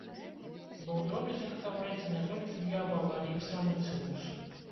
Бо ў дробязях хаваецца не толькі д'ябал, але і самы цымус.